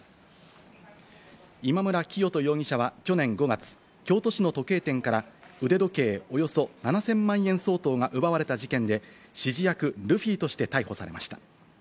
今村磨人容疑者は去年５月、京都市の時計店から腕時計およそ７０００万円相当が奪われた事件で、指示役ルフィとして逮捕されました。